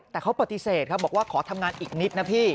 แต่เขาปฏิเสธครับบอกว่าขอทำงานอีกนิดนะพี่